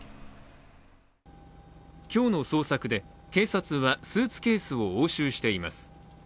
今日の捜索で警察はスーツケースを押収しています。